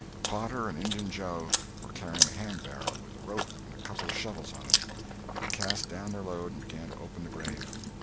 Potter and Injun Joe were carrying a handbarrow with a rope and a couple of shovels on it. They cast down their load and began to open the grave.